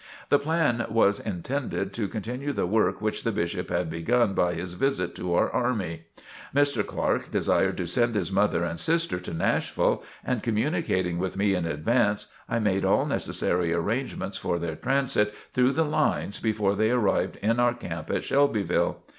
The plan was intended to continue the work which the Bishop had begun by his visit to our army. Mr. Clark desired to send his mother and sister to Nashville, and communicating with me in advance, I made all necessary arrangements for their transit through the lines before they arrived in our camp at Shelbyville.